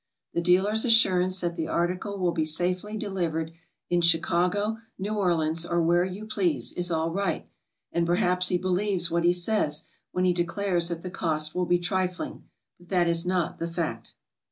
The dealer's assurance that the article will be safely delivered in Chicago, New Orleans or where you please, is all right, and perhaps he believes what he says when he declares that the cost will be trifling, but that is not the fact.